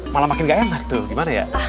malah makin gak enak tuh gimana ya